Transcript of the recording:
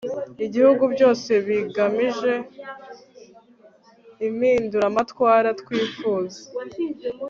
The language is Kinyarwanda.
igihugu byose bigamije impinduramatwara twifuza